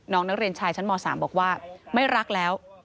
น้องนักเรียนชายชั้นม๓บอกว่า